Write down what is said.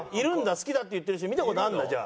好きだって言ってる人見た事あるんだじゃあ。